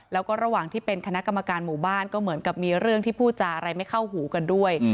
แล้วก็ระหว่างที่เป็นคณะกรรมการหมู่บ้านก็เหมือนกับมีเรื่องที่พูดจาอะไรไม่เข้าหูกันด้วย